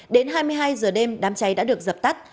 đến hai mươi hai giờ đêm đám cháy đã được dập tắt